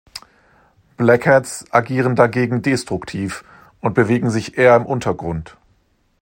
Black-Hats agieren dagegen destruktiv und bewegen sich eher im Untergrund.